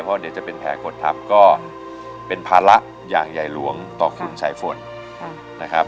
เพราะเดี๋ยวจะเป็นแผลกดทับก็เป็นภาระอย่างใหญ่หลวงต่อคุณสายฝนนะครับ